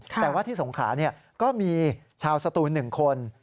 แต่ว่าที่สงขาก็มีชาวสตูน๑คน